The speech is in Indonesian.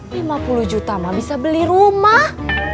lima puluh juta mah bisa beli rumah